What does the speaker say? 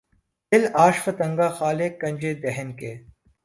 دل آشفتگاں خالِ کنجِ دہن کے